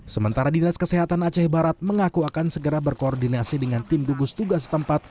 sementara dinas kesehatan aceh barat mengaku akan segera berkoordinasi dengan tim gugus tugas tempat